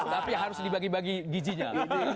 tapi harus dibagi bagi gizinya